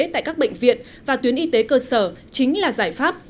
tại các bệnh viện và tuyến y tế cơ sở chính là giải pháp